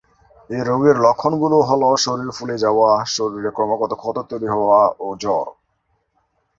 এ রোগের লক্ষণগুলো হলো শরীর ফুলে যাওয়া, শরীরে ক্রমাগত ক্ষত তৈরি হওয়া ও জ্বর।